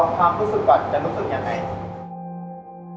สวัสดีครับผมชื่อสามารถชานุบาลชื่อเล่นว่าขิงถ่ายหนังสุ่นแห่ง